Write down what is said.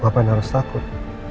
ngapain harus takut